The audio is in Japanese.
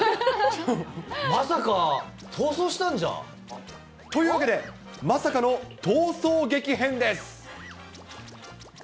まさか、逃走したんじゃ？というわけで、まさかの逃走劇編です。